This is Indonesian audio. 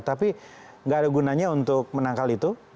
tapi nggak ada gunanya untuk menangkal itu